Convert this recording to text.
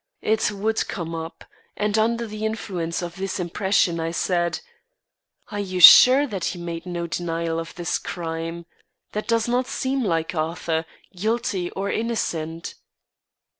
It would come up, and, under the influence of this impression I said: "Are you sure that he made no denial of this crime? That does not seem like Arthur, guilty or innocent."